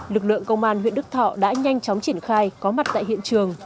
lực lượng công an huyện đức thọ đã nhanh chóng triển khai có mặt tại hiện trường